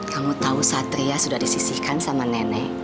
kamu tahu satria sudah disisihkan sama nenek